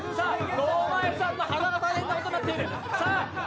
堂前さんの鼻が大変なことになっている。